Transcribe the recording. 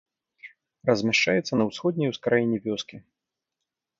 Размяшчаецца на ўсходняй ускраіне вёскі.